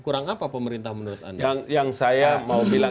kurang apa pemerintah menurut anda